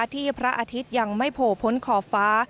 ทุกวันที่พระอาทิตย์ยังไม่โผล่พ้นขอบฟ้า